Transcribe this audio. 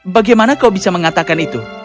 bagaimana kau bisa mengatakan itu